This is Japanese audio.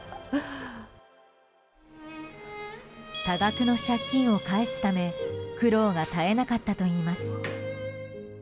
多額の借金を返すため苦労が絶えなかったといいます。